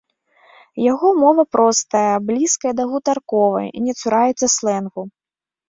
Яго мова простая, блізкая да гутарковай, не цураецца слэнгу.